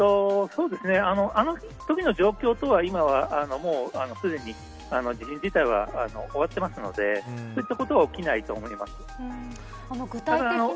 あのときの状況とは今はすでに地震自体は終わっているのでそういったことは起きないと思います。